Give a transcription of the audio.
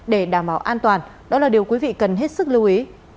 để đảm bảo an toàn đó là điều quý vị cần hết sức lưu ý